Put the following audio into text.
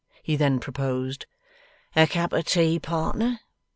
He then proposed 'A cup of tea, partner?